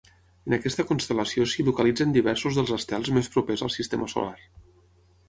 En aquesta constel·lació s'hi localitzen diversos dels estels més propers al sistema solar.